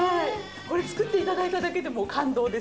これ作って頂いただけでもう感動です。